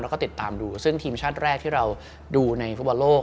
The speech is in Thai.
แล้วก็ติดตามดูซึ่งทีมชาติแรกที่เราดูในฟุตบอลโลก